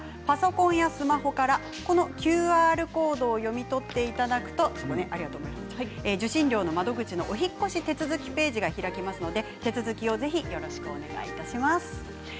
パソコンやスマホからＱＲコードを読み取っていただくと受信料の窓口のお引っ越し手続きページが開きますので手続きをぜひよろしくお願いします。